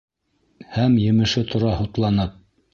Һәм емеше тора һутланып.